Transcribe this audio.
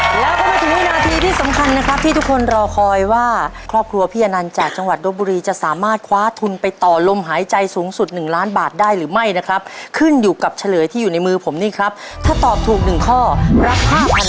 แล้วก็มาถึงวินาทีที่สำคัญนะครับที่ทุกคนรอคอยว่าครอบครัวพี่อนันต์จากจังหวัดรบบุรีจะสามารถคว้าทุนไปต่อลมหายใจสูงสุดหนึ่งล้านบาทได้หรือไม่นะครับขึ้นอยู่กับเฉลยที่อยู่ในมือผมนี่ครับถ้าตอบถูกหนึ่งข้อรับห้าพัน